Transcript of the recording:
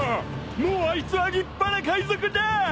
もうあいつは立派な海賊だ。